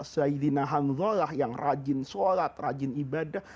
sayyidina hanzalah yang rajin sholat rajin ibadah